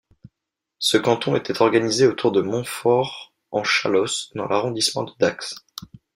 Ce canton était organisé autour de Montfort-en-Chalosse dans l'arrondissement de Dax.